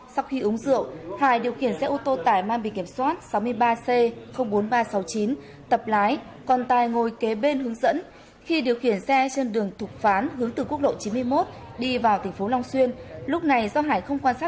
xin chào và hẹn gặp lại